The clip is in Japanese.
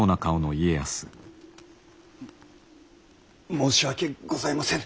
申し訳ございませぬ。